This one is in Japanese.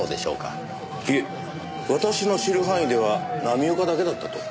いえ私の知る範囲では浪岡だけだったと。